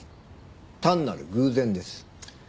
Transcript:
単なる偶然です。